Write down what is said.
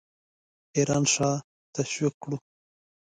ایران شاه تشویق کړو.